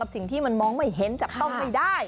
สิ่งที่มันมองไม่เห็นจับต้องไม่ได้